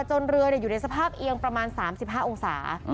เรืออยู่ในสภาพเอียงประมาณ๓๕องศา